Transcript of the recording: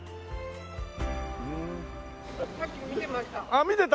さっき見てました。